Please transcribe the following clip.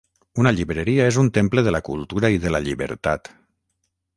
Una llibreria és un temple de la cultura i de la llibertat.